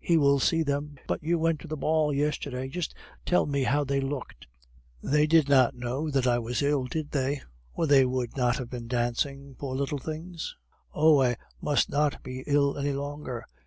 He will see them. But you went to the ball yesterday; just tell me how they looked. They did not know that I was ill, did they, or they would not have been dancing, poor little things? Oh! I must not be ill any longer.